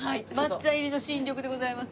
抹茶入りの新緑でございます。